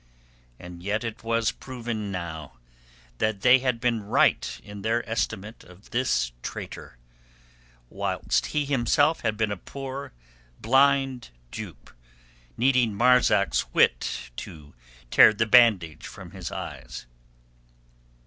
And yet it was proven now that they had been right in their estimate of this traitor, whilst he himself had been a poor, blind dupe, needing Marzak's wit to tear the bandage from his eyes.